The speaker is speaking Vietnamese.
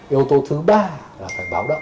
yếu tố thứ ba là phải báo đậm